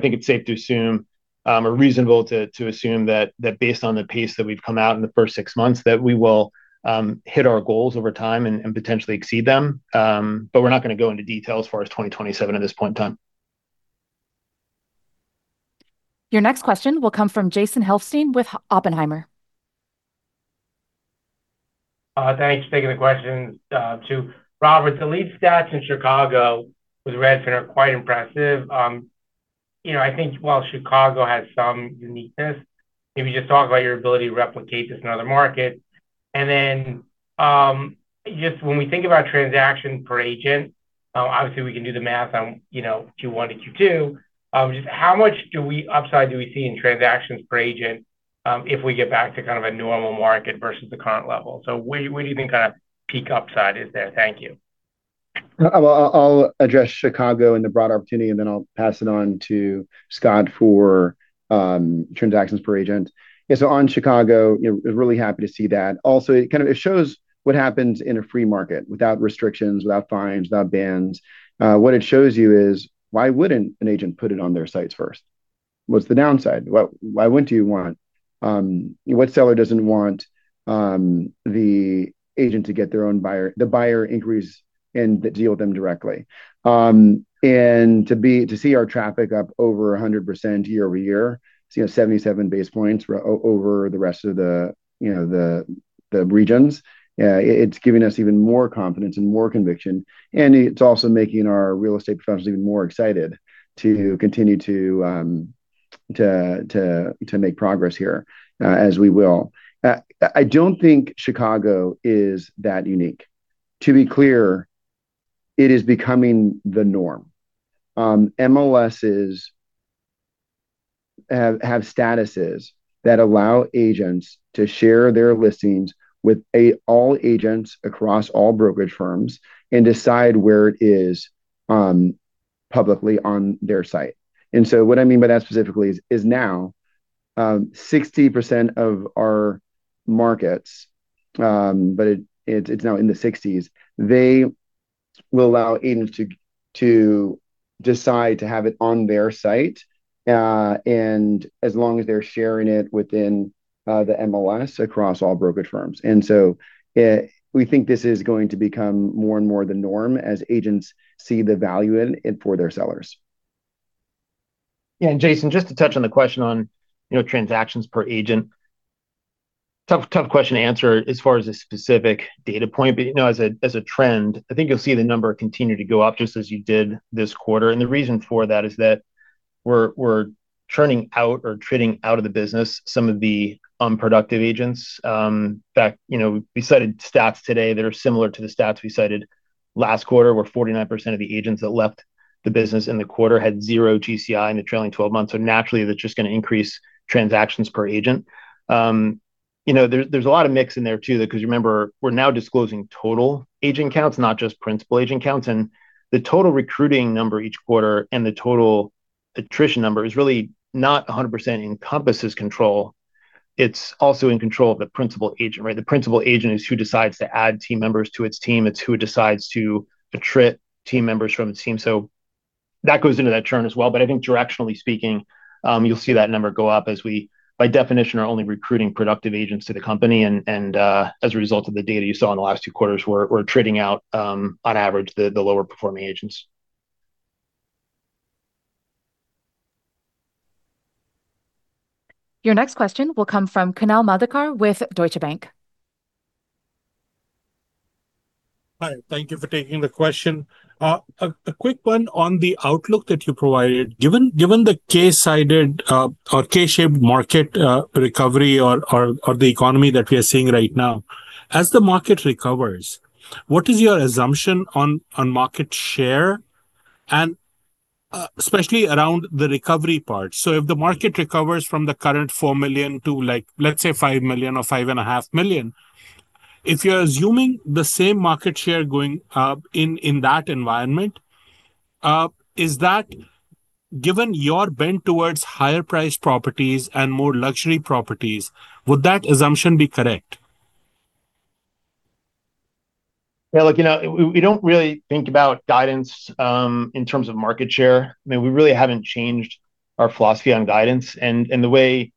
think it's safe to assume, or reasonable to assume that based on the pace that we've come out in the first six months, that we will hit our goals over time and potentially exceed them. We're not going to go into detail as far as 2027 at this point in time. Your next question will come from Jason Helfstein with Oppenheimer. Thanks. Taking the question to Robert. The lead stats in Chicago with Redfin are quite impressive. I think while Chicago has some uniqueness, maybe just talk about your ability to replicate this in other markets. Just when we think about transaction per agent, obviously we can do the math on Q1 and Q2. Just how much upside do we see in transactions per agent if we get back to kind of a normal market versus the current level? What do you think kind of peak upside is there? Thank you. I'll address Chicago and the broader opportunity, then I'll pass it on to Scott for transactions per agent. On Chicago, really happy to see that. Also, it shows what happens in a free market without restrictions, without fines, without bans. What it shows you is, why wouldn't an agent put it on their sites first? What's the downside? What seller doesn't want the agent to get their own buyer, the buyer inquiries and to deal with them directly? To see our traffic up over 100% year-over-year. See a 77 basis points over the rest of the regions. It's given us even more confidence and more conviction, making our real estate professionals even more excited to continue to make progress here, as we will. I don't think Chicago is that unique. To be clear, it is becoming the norm. MLSs have statuses that allow agents to share their listings with all agents across all brokerage firms and decide where it is publicly on their site. What I mean by that specifically is now 60% of our markets, but it's now in the 60s. They will allow agents to decide to have it on their site, as long as they're sharing it within the MLS across all brokerage firms. We think this is going to become more and more the norm as agents see the value in it for their sellers. Jason, just to touch on the question on transactions per agent. Tough question to answer as far as a specific data point, but as a trend, I think you'll see the number continue to go up just as you did this quarter. The reason for that is that we're churning out or trading out of the business some of the unproductive agents. In fact, we cited stats today that are similar to the stats we cited last quarter, where 49% of the agents that left the business in the quarter had zero GCI in the trailing 12 months. Naturally, that's just going to increase transactions per agent. There's a lot of mix in there too, because remember, we're now disclosing total agent counts, not just principal agent counts. The total recruiting number each quarter and the total attrition number is really not 100% in compass's Control. It's also in control of the principal agent, right? The principal agent is who decides to add team members to its team. It's who decides to attrit team members from the team. That goes into that churn as well. I think directionally speaking, you'll see that number go up as we, by definition, are only recruiting productive agents to the company. As a result of the data you saw in the last two quarters, we're trading out, on average, the lower performing agents. Your next question will come from Kunal Madhukar with Deutsche Bank Hi, thank you for taking the question. A quick one on the outlook that you provided. Given the K-shaped market recovery or the economy that we are seeing right now, as the market recovers, what is your assumption on market share, and especially around the recovery part? If the market recovers from the current four million to, let's say five million or five and a half million, if you're assuming the same market share going up in that environment, given your bent towards higher priced properties and more luxury properties, would that assumption be correct? Yeah, look, we don't really think about guidance in terms of market share. We really haven't changed our philosophy on guidance. The way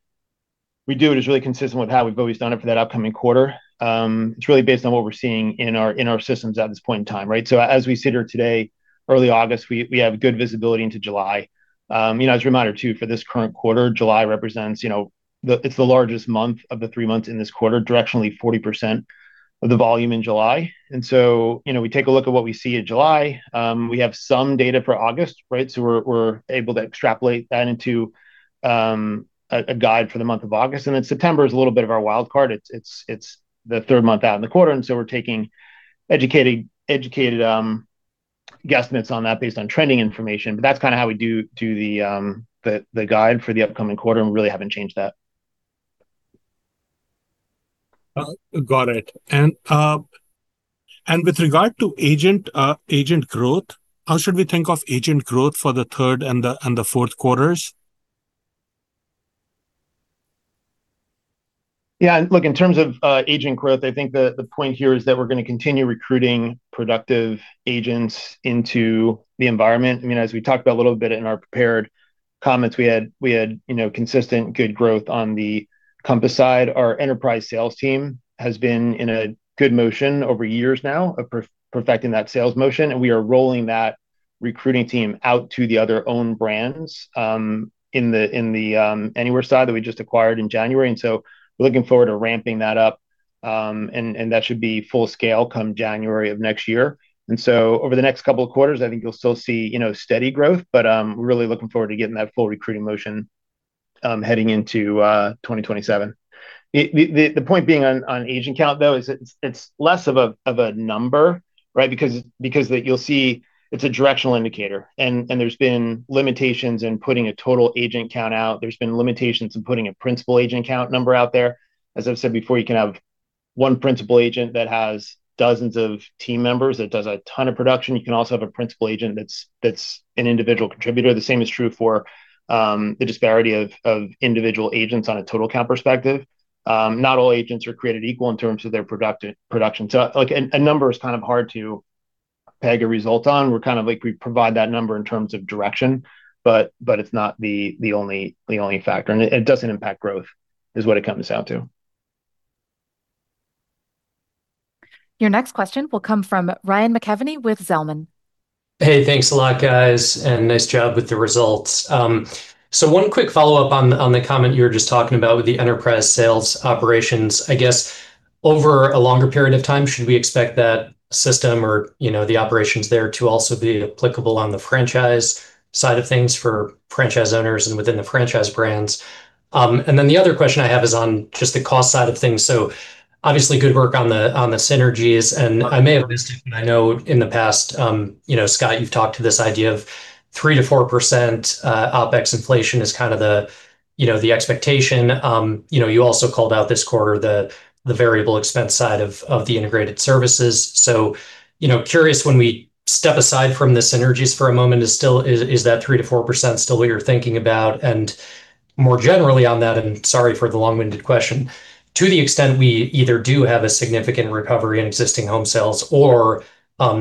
we do it is really consistent with how we've always done it for that upcoming quarter. It's really based on what we're seeing in our systems at this point in time. Right? As we sit here today, early August, we have good visibility into July. As a reminder too, for this current quarter, July, it's the largest month of the three months in this quarter, directionally 40% of the volume in July. We take a look at what we see in July. We have some data for August, right? We're able to extrapolate that into a guide for the month of August. Then September is a little bit of our wild card. It's the third month out in the quarter, so we're taking educated guesstimates on that based on trending information. That's how we do the guide for the upcoming quarter, and we really haven't changed that. Got it. With regard to agent growth, how should we think of agent growth for the third and the fourth quarters? Yeah, look, in terms of agent growth, I think the point here is that we're going to continue recruiting productive agents into the environment. As we talked about a little bit in our prepared comments, we had consistent good growth on the Compass side. Our enterprise sales team has been in a good motion over years now of perfecting that sales motion, we are rolling that recruiting team out to the other owned brands in the Anywhere side that we just acquired in January. So we're looking forward to ramping that up. That should be full scale come January of next year. So over the next couple of quarters, I think you'll still see steady growth. We're really looking forward to getting that full recruiting motion heading into 2027. The point being on agent count, though, is it's less of a number, right? You'll see it's a directional indicator, and there's been limitations in putting a total agent count out. There's been limitations in putting a principal agent count number out there. As I've said before, you can have one principal agent that has dozens of team members that does a ton of production. You can also have a principal agent that's an individual contributor. The same is true for the disparity of individual agents on a total count perspective. Not all agents are created equal in terms of their production. A number is hard to peg a result on. We provide that number in terms of direction, but it's not the only factor, and it doesn't impact growth is what it comes down to. Your next question will come from Ryan McKeveny with Zelman. Hey, thanks a lot, guys, and nice job with the results. One quick follow-up on the comment you were just talking about with the enterprise sales operations. I guess over a longer period of time, should we expect that system or the operations there to also be applicable on the franchise side of things for franchise owners and within the franchise brands? The other question I have is on just the cost side of things. Obviously, good work on the synergies, and I may have missed it, but I know in the past, Scott, you've talked to this idea of 3%-4% OpEx inflation as the expectation. You also called out this quarter the variable expense side of the integrated services. Curious, when we step aside from the synergies for a moment, is that 3%-4% still what you're thinking about? More generally on that, and sorry for the long-winded question, to the extent we either do have a significant recovery in existing home sales or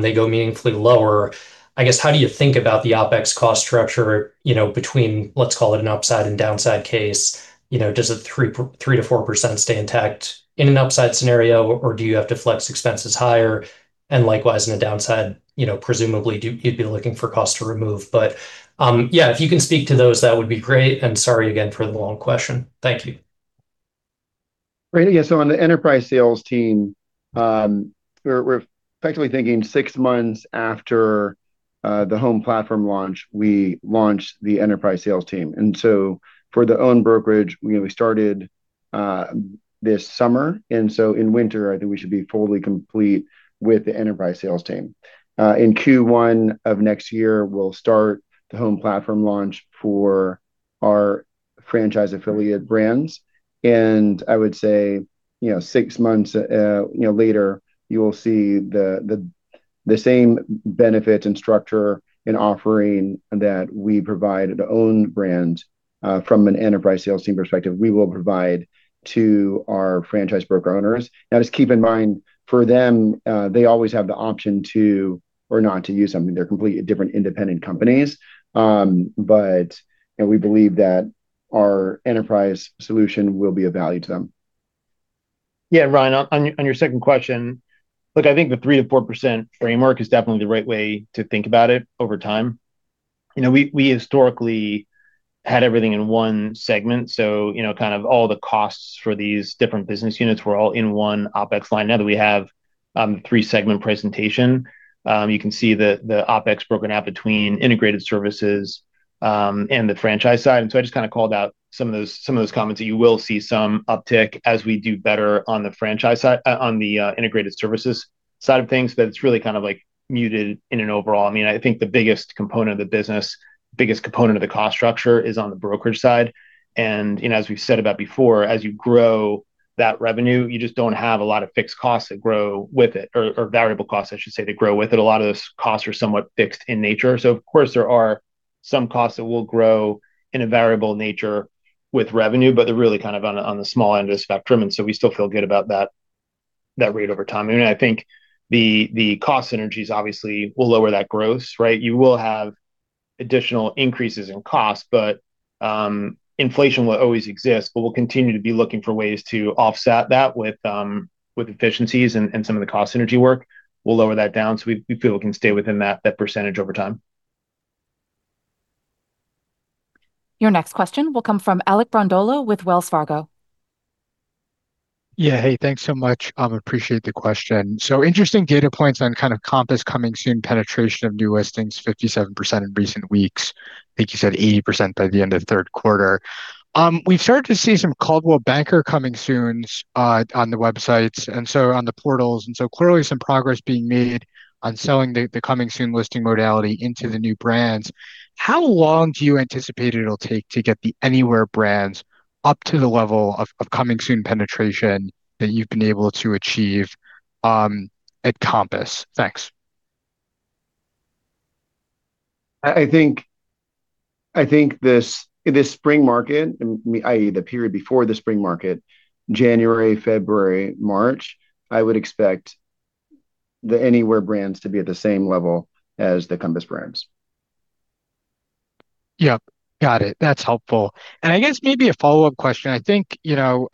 they go meaningfully lower, I guess how do you think about the OpEx cost structure between let's call it an upside and downside case? Does the 3%-4% stay intact in an upside scenario, or do you have to flex expenses higher? Likewise, in a downside, presumably, you'd be looking for cost to remove. Yeah, if you can speak to those, that would be great. Sorry again for the long question. Thank you. Great. Yeah. On the enterprise sales team, we're effectively thinking 6 months after the Home Platform launch, we launched the enterprise sales team. For the owned brokerage, we started this summer. In winter, I think we should be fully complete with the enterprise sales team. In Q1 of next year, we'll start the Home Platform launch for our franchise affiliate brands. I would say, 6 months later, you will see the same benefits and structure and offering that we provide an owned brand from an enterprise sales team perspective, we will provide to our franchise broker owners. Just keep in mind, for them, they always have the option to or not to use them. They're completely different independent companies. We believe that our enterprise solution will be of value to them. Yeah. Ryan, on your second question, look, I think the 3%-4% framework is definitely the right way to think about it over time. We historically had everything in one segment. All the costs for these different business units were all in one OpEx line. Now that we have three-segment presentation, you can see the OpEx broken out between integrated services and the franchise side. I just called out some of those comments that you will see some uptick as we do better on the integrated services side of things, that it's really kind of muted in an overall. I think the biggest component of the business, biggest component of the cost structure is on the brokerage side. As we've said about before, as you grow that revenue, you just don't have a lot of fixed costs that grow with it, or variable costs, I should say, that grow with it. A lot of those costs are somewhat fixed in nature. Of course there are some costs that will grow in a variable nature with revenue, but they're really on the small end of the spectrum. We still feel good about that rate over time. I think the cost synergies obviously will lower that gross. You will have additional increases in cost. Inflation will always exist, but we'll continue to be looking for ways to offset that with efficiencies and some of the cost synergy work. We'll lower that down so we feel we can stay within that percentage over time. Your next question will come from Alec Brondolo with Wells Fargo. Yeah. Hey, thanks so much. Appreciate the question. Interesting data points on kind of Compass Coming Soon penetration of new listings, 57% in recent weeks. I think you said 80% by the end of third quarter. We've started to see some Coldwell Banker Coming Soons on the websites and on the portals, clearly some progress being made on selling the Coming Soon listing modality into the new brands. How long do you anticipate it'll take to get the Anywhere brands up to the level of Coming Soon penetration that you've been able to achieve at Compass? Thanks. I think this spring market, i.e., the period before the spring market, January, February, March, I would expect the Anywhere brands to be at the same level as the Compass brands. Yep. Got it. That's helpful. I guess maybe a follow-up question. I think your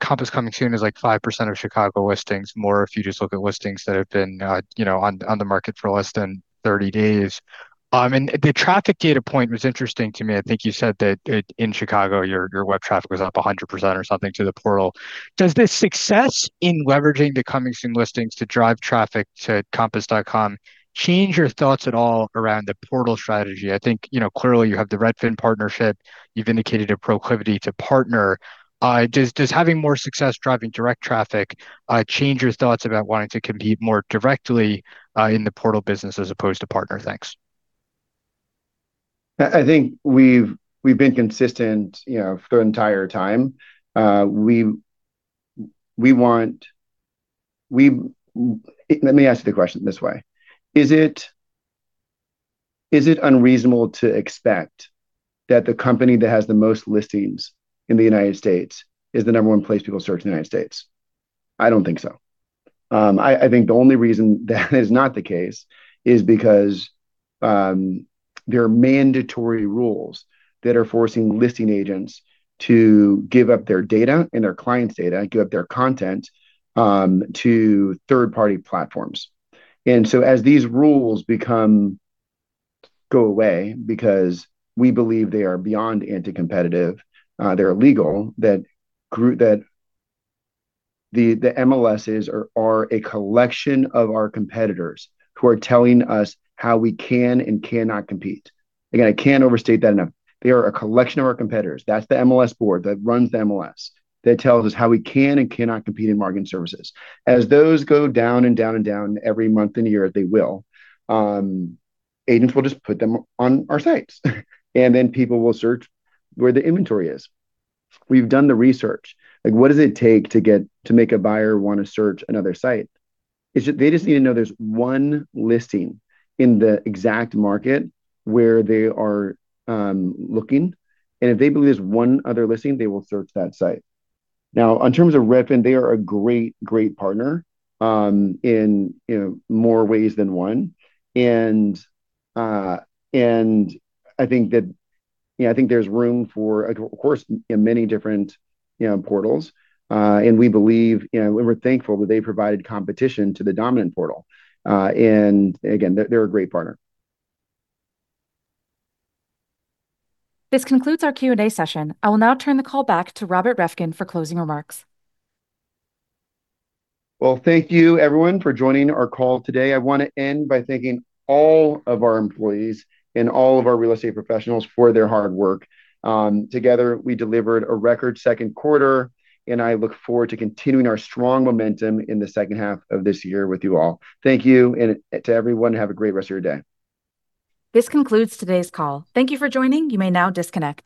Compass Coming Soon is like 5% of Chicago listings, more if you just look at listings that have been on the market for less than 30 days. The traffic data point was interesting to me. I think you said that in Chicago, your web traffic was up 100% or something to the portal. Does the success in leveraging the Compass Coming Soon listings to drive traffic to compass.com change your thoughts at all around the portal strategy? I think, clearly you have the Redfin partnership. You've indicated a proclivity to partner. Does having more success driving direct traffic change your thoughts about wanting to compete more directly in the portal business as opposed to partner? Thanks. I think we've been consistent the entire time. Let me ask you the question this way. Is it unreasonable to expect that the company that has the most listings in the United States is the number one place people search in the United States? I don't think so. I think the only reason that is not the case is because there are mandatory rules that are forcing listing agents to give up their data and their clients' data and give up their content to third-party platforms. As these rules go away, because we believe they are beyond anti-competitive, they're illegal. The MLSs are a collection of our competitors who are telling us how we can and cannot compete. Again, I can't overstate that enough. They are a collection of our competitors. That's the MLS board that runs the MLS, that tells us how we can and cannot compete in marketing services. As those go down and down and down every month and year, they will. Agents will just put them on our sites, then people will search where the inventory is. We've done the research. Like what does it take to make a buyer want to search another site? They just need to know there's one listing in the exact market where they are looking, and if they believe there's one other listing, they will search that site. In terms of Redfin, they are a great partner in more ways than one. I think there's room for, of course, in many different portals. We're thankful that they provided competition to the dominant portal. Again, they're a great partner. This concludes our Q&A session. I will now turn the call back to Robert Reffkin for closing remarks. Well, thank you everyone for joining our call today. I want to end by thanking all of our employees and all of our real estate professionals for their hard work. Together, we delivered a record second quarter, and I look forward to continuing our strong momentum in the second half of this year with you all. Thank you, and to everyone, have a great rest of your day. This concludes today's call. Thank you for joining. You may now disconnect.